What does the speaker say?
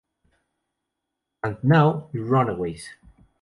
And Now... The Runaways